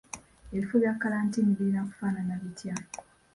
Ebifo bya kkalantiini birina kufaanana bitya?